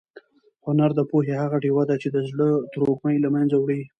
هنر د پوهې هغه ډېوه ده چې د زړه تروږمۍ له منځه وړي.